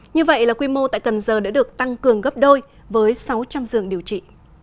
như vậy là quy mô tại cần giờ đã được tăng cường gấp đôi với sáu trăm linh giường điều trị